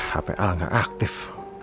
hapa gak aktif